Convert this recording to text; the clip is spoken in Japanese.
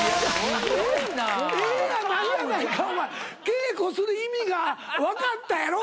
稽古する意味が分かったやろ？